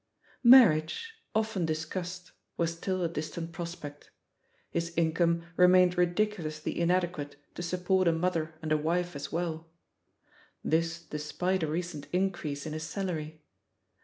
Marriage, often discussed, was still a distant prospect. His income remained ridiculously in 101 102 THE POSITION OF PEGGY HARPER adequate to support a mother and a wife as well. This, despite a recent increase in his salary.